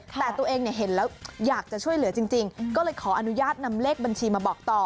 แต่ตัวเองเห็นแล้วอยากจะช่วยเหลือจริงก็เลยขออนุญาตนำเลขบัญชีมาบอกต่อ